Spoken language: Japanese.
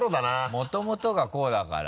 もともとがこうだから。